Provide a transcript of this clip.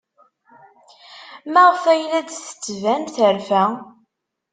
Maɣef ay la d-tettban terfa?